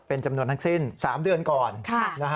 เป็นจำนวนทั้งสิ้น๓เดือนก่อน